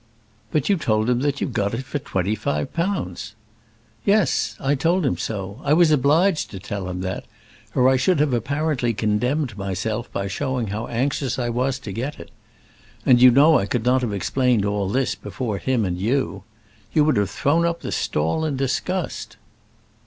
"But you told him that you got it for twenty five pounds." "Yes, I told him so. I was obliged to tell him that, or I should have apparently condemned myself by showing how anxious I was to get it. And you know I could not have explained all this before him and you. You would have thrown up the stall in disgust."